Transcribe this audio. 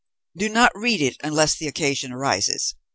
Do not read it unless the occasion arises.